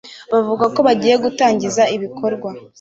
bavuga ko bagiye gutangiza ibikorwa